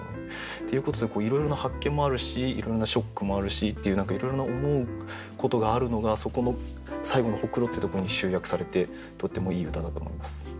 っていうことでいろいろな発見もあるしいろいろなショックもあるしっていう何かいろいろな思うことがあるのがそこの最後の「黒子」ってところに集約されてとってもいい歌だと思います。